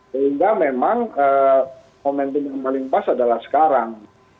sehingga memang momentum yang paling pas adalah sekarang